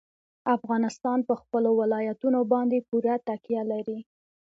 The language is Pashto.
افغانستان په خپلو ولایتونو باندې پوره تکیه لري.